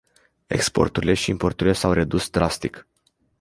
Exporturile și importurile s-au redus drastic.